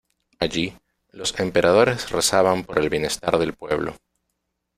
Allí, los emperadores rezaban por el bienestar del pueblo.